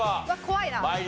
怖いな。